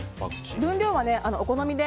分量はお好みで。